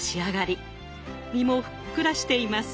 身もふっくらしています。